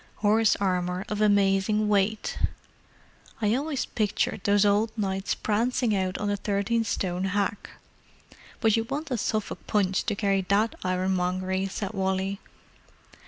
Horse armour of amazing weight—"I always pictured those old knights prancing out on a thirteen stone hack, but you'd want a Suffolk Punch to carry that ironmongery!" said Wally.